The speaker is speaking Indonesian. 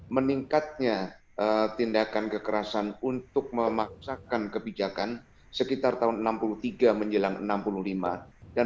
meningkatnya tindakan kekerasan untuk memaksakan kebijakan sekitar tahun enam puluh tiga menjelang enam puluh lima dan